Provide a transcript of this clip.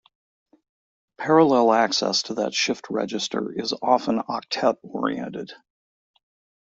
Parallel access to that shift register is often octet-oriented.